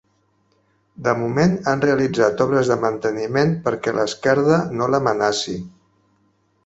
De moment han realitzat obres de manteniment perquè l'esquerda no l'amenaci.